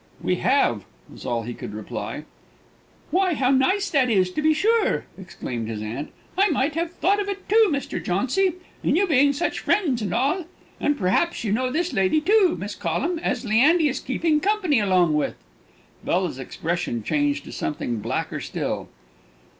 "We have," was all he could reply. "Why, how nice that is, to be sure!" exclaimed his aunt. "I might have thought of it, too, Mr. Jauncy, and you being such friends and all. And p'r'aps you know this lady, too Miss Collum as Leandy is keeping company along with?" Bella's expression changed to something blacker still.